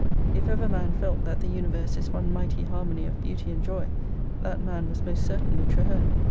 If ever man felt that ' the universe is one mighty harmony of beauty and joy,' that man was most certainly Traheme.